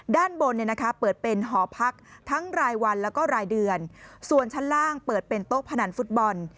ด้านบนเนี่ยนะคะเปิดเป็นหอพักทั้งรายวันแล้วก็รายเดือนส่วนชั้นล่างเปิดเป็นโต๊ะพนันฟุตบอล